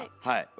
はい。